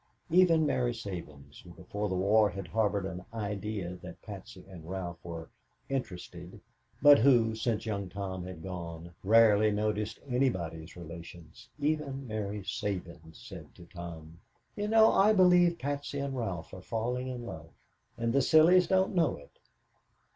Even Mary Sabins, who before the war had harbored an idea that Patsy and Ralph were "interested," but who, since Young Tom had gone, rarely noticed anybody's relations even Mary Sabins said to Tom: "Do you know, I believe Patsy and Ralph are falling in love, and the sillies don't know it."